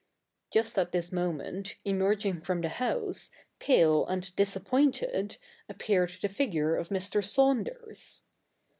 Just at this moment, emerging from the house, pale and disappointed, appeared the figure of Mr. Saunders.